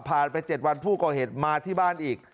ไป๗วันผู้ก่อเหตุมาที่บ้านอีก